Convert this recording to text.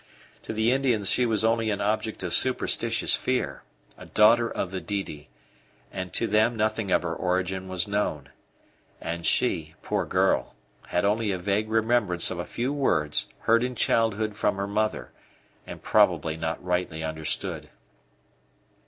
To the Indians she was only an object of superstitious fear a daughter of the Didi and to them nothing of her origin was known. And she, poor girl, had only a vague remembrance of a few words heard in childhood from her mother, and probably not rightly understood.